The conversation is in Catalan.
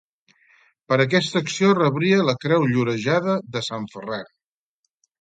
Per aquesta acció rebria la Creu Llorejada de Sant Ferran.